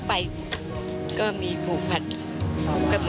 อันดับ๖๓๕จัดใช้วิจิตร